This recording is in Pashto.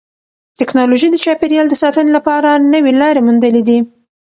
تکنالوژي د چاپیریال د ساتنې لپاره نوې لارې موندلې دي.